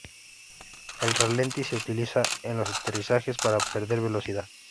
El ralentí se utiliza en los aterrizajes para perder velocidad.